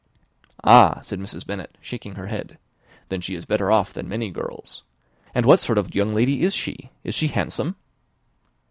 "Ah," cried Mrs. Bennet, shaking her head, "then she is better off than many girls. And what sort of young lady is she? Is she handsome?"